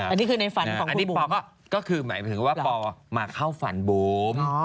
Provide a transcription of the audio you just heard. อันนี้คือในฟันของคุณบุ๋มอันนี้ปอล์ก็คือหมายถึงว่าปอล์มาเข้าฟันบุ๋ม